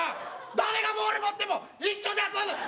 誰がボール持っても一緒じゃぞ！